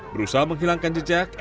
berusaha menghilangkan jejak